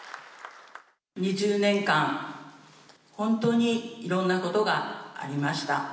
２０年間、本当にいろんなことがありました。